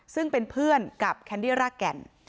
ซึ่งเป็นเพื่อนกับแคนดี้รากแก่น